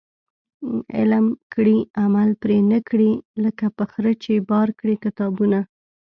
علم کړي عمل پري نه کړي ، لکه په خره چي بار کړي کتابونه